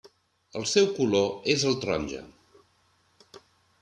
El seu color és taronja.